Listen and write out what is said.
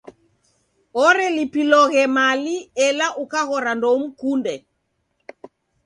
Orelipiloghe mali ela ukaghora ndoumkunde.